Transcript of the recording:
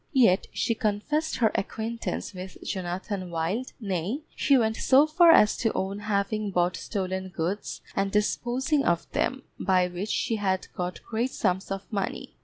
Yet she confessed her acquaintance with Jonathan Wild, nay, she went so far as to own having bought stolen goods, and disposing of them, by which she had got great sums of money.